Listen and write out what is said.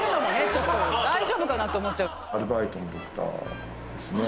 ちょっと大丈夫かなと思っちゃう